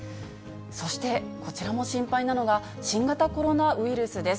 そしてこちらも心配なのが、新型コロナウイルスです。